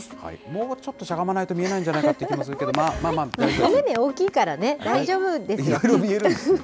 もうちょっとしゃがまないと見えないんじゃないかって気もす大きいからね、大丈夫ですよ。